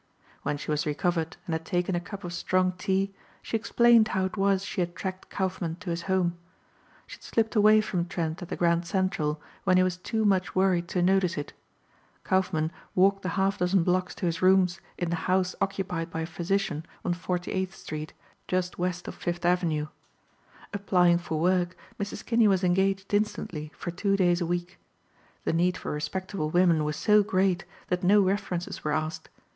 When she was recovered and had taken a cup of strong tea she explained how it was she had tracked Kaufmann to his home. She had slipped away from Trent at the Grand Central when he was too much worried to notice it. Kaufmann walked the half dozen blocks to his rooms in the house occupied by a physician on Forty eighth street, just west of Fifth avenue. Applying for work Mrs. Kinney was engaged instantly for two days a week. The need for respectable women was so great that no references were asked.